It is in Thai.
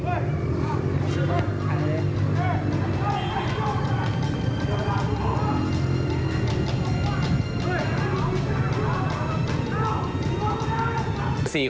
อันดับสุดท้าย